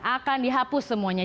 akan dihapus semuanya